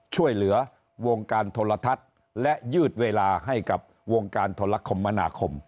ช่วยเหลือวงการโทรทัศน์และยืดเวลาให้กับวงการโทรคมมนาคม